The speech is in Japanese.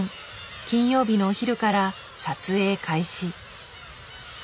金曜日のお昼から撮影開始。